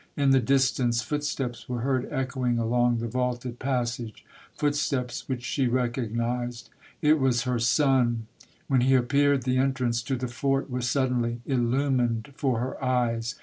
In the distance foot steps were heard echoing along the vaulted pass age, footsteps which she recognized. It was her son ! When he appeared, the entrance to the fort was suddenly illumined for her eyes.